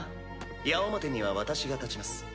矢面には私が立ちます。